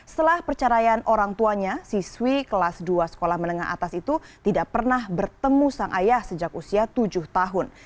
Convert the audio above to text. setelah perceraian orang tuanya siswi kelas dua sekolah menengah atas itu tidak pernah bertemu sang ayah sejak usia tujuh tahun